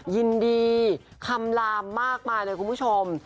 ยินดีคำลามมากมายเลยคุณผู้ชม